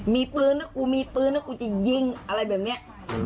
มีปืนนะกูมีปืนนะกูจะยิงอะไรแบบนี้